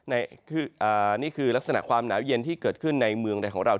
นี่คือลักษณะความหนาวเย็นที่เกิดขึ้นในเมืองใดของเรา